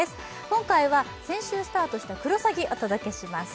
今回は先週スタートした「クロサギ」お届けします